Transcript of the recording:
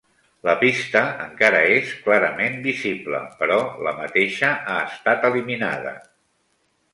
La pista encara és clarament visible, però la mateixa ha estat eliminada.